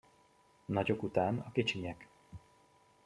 Nagyok után a kicsinyek!